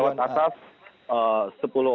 sepuluh orang masuk lewat atas